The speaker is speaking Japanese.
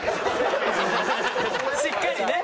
しっかりね。